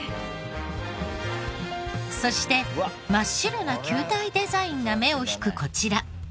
そして真っ白な球体デザインが目を引くこちら。